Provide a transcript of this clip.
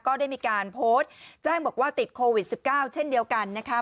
ก็ได้มีการโพสต์แจ้งบอกว่าติดโควิด๑๙เช่นเดียวกันนะคะ